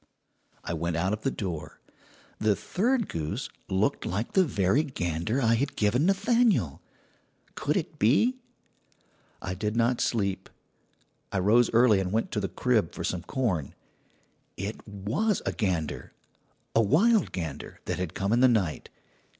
"I went out of the door. "The third goose looked like the very gander I had given Nathaniel. Could it be? "I did not sleep. I rose early and went to the crib for some corn. "It was a gander a 'wild gander' that had come in the night.